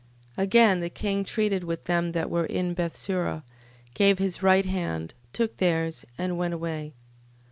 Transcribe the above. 13:22. Again the king treated with them that were in Bethsura: gave his right hand: took theirs: and went away.